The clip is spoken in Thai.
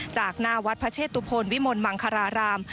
จากหน้าวัดพระเชตุพลวิมลมังคาราราม